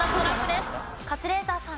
カズレーザーさん。